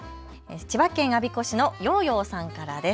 千葉県我孫子市のようようさんからです。